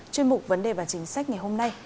chuyên mục vấn đề và chính sách ngày hôm nay